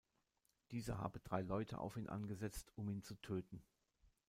Dieser habe drei Leute auf ihn angesetzt, um ihn zu töten.